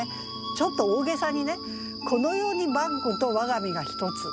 ちょっと大げさにね「この世にバッグと我が身が一つ」。